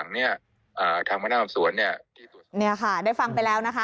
นี่ค่ะได้ฟังไปแล้วนะคะ